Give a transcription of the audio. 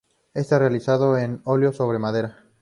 Está realizado en óleo sobre madera.